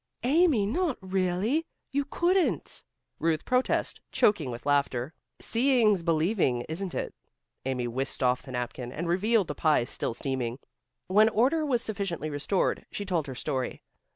"Amy, not really? You couldn't!" Ruth protested, choking with laughter. "Seeing's believing, isn't it?" Amy whisked off the napkin, and revealed the pie still steaming. When order was sufficiently restored, she told her story.